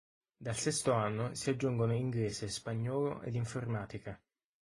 Dal sesto anno si aggiungono inglese, spagnolo ed informatica.